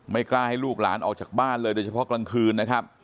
กล้าให้ลูกหลานออกจากบ้านเลยโดยเฉพาะกลางคืนนะครับ